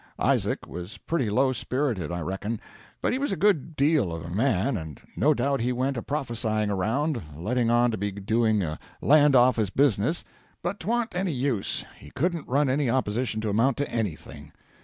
Isaac was pretty low spirited, I reckon, but he was a good deal of a man, and no doubt he went a prophesying around, letting on to be doing a land office business, but 't' wa'n't any use; he couldn't run any opposition to amount to anything.